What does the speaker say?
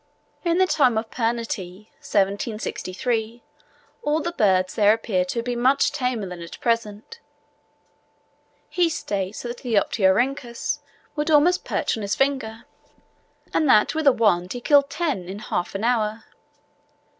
In the time of Pernety (1763), all the birds there appear to have been much tamer than at present; he states that the Opetiorhynchus would almost perch on his finger; and that with a wand he killed ten in half an hour.